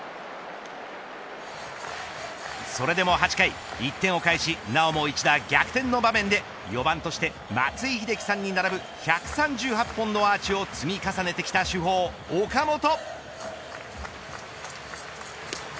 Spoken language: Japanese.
それでも８回、１点を返しなおも一打逆転の場面で４番として松井秀喜さんに並ぶ１３８本のアーチを積み重ねてきた主砲、岡本。